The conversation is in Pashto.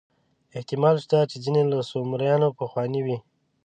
احتمال شته چې ځینې له سومریانو پخواني وي.